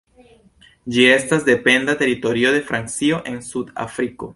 Ĝi estas dependa teritorio de Francio en Sud-Afriko.